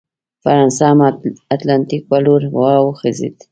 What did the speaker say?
فرانسه هم اتلانتیک په لور راوخوځېده.